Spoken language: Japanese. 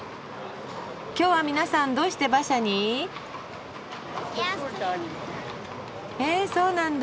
今日はみなさんどうして馬車に？へそうなんだ。